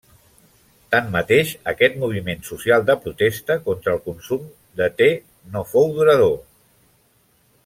Tanmateix, aquest moviment social de protesta contra el consum de te no fou durador.